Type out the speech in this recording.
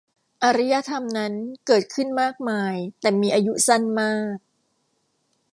อารยธรรมนั้นเกิดขึ้นมากมายแต่มีอายุสั้นมาก